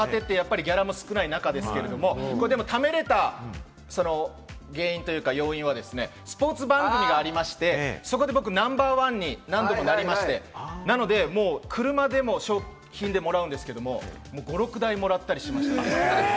大阪の方で若手ってギャラも少ない中ですけれども、貯められた要因というのは、スポーツ番組がありまして、そこで僕、ナンバーワンに何度もなりまして、なので、車も賞品でもらうんですけど、５６台もらったりしました。